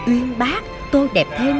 uyên bác tô đẹp thêm